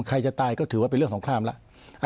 ใครจะตายก็ถือว่าเป็นเรื่องของครามแล้ว